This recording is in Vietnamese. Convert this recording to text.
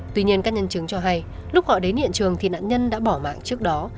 tuy nhiên các nhân chứng cho hay lúc họ đến hiện trường thì nạn nhân đã bỏ mạng trước đó